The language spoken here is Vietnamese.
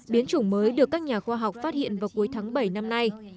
biến chủng mới được các nhà khoa học phát hiện vào cuối tháng bảy năm nay